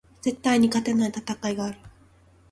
絶対に勝てない戦いがある